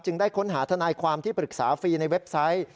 ได้ค้นหาทนายความที่ปรึกษาฟรีในเว็บไซต์